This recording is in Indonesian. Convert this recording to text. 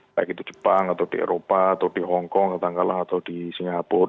baik itu jepang atau di eropa atau di hongkong tangkalang atau di singapura